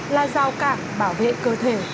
là dao cạc bảo vệ cơ thể